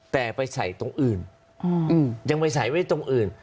แต่ไปใส่ตรงอื่นยังไปใส่ไว้ตรงอื่น